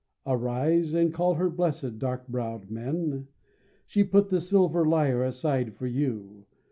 Arise, and call her blessed, dark browed men! She put the silver lyre aside for you.